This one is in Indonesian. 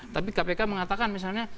tapi kpk mengatakan misalnya